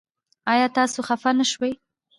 ایا تاسو خفه نه شوئ؟